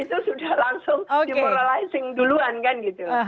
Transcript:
itu sudah langsung demoralizing duluan kan gitu